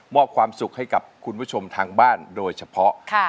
ความสุขให้กับคุณผู้ชมทางบ้านโดยเฉพาะ